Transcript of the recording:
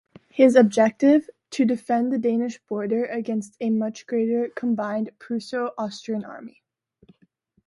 His objective: to defend the Danish border against a much greater combined Prusso-Austrian army.